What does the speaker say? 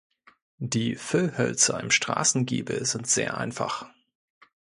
Die Füllhölzer im Straßengiebel sind sehr einfach.